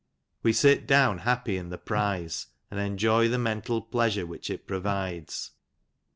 We sit down happy in the prize, and enjoy the mental pleasure which it provides.